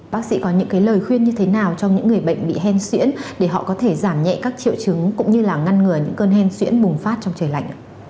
bác sĩ có những lời khuyên như thế nào cho những người bệnh bị hen xuyễn để họ có thể giảm nhẹ các triệu chứng cũng như là ngăn ngừa những cơn hen xuyễn bùng phát trong trời lạnh ạ